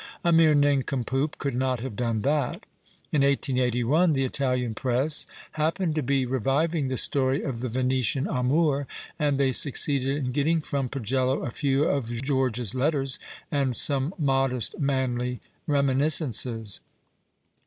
A mere nincompoop could not have done that. In 1881 the Italian Press happened to be reviving the story of the Venetian amour, and they succeeded in getting from Pagello a few of George's letters and some modest, manly reminiscences.